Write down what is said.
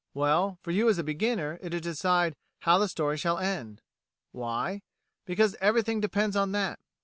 Well, for you as a beginner, it is to decide how the story shall end. Why? Because everything depends on that.